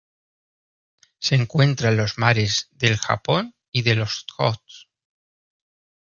Se encuentra en los mares del Japón y del Ojotsk.